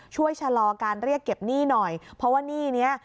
ชะลอการเรียกเก็บหนี้หน่อยเพราะว่าหนี้เนี้ย